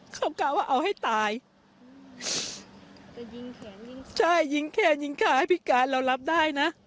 เขากะว่าเอาให้ตายจะยิงแขนยิงใช่ยิงแขนยิงขาให้พิการเรารับได้นะ